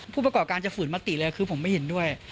ผู้ประกอบการจะฝืนมติเลยคือผมไม่เห็นด้วย